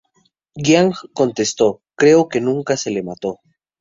Jiang contestó "creo que nunca se le mató".